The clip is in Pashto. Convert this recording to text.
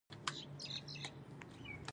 بهرني پلانونه بېریښې دي.